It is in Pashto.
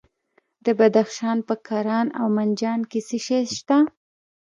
د بدخشان په کران او منجان کې څه شی شته؟